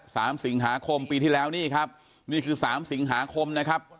สามสิงหาคมปีที่แล้วนี่ครับนี่คือสามสิงหาคมนะครับ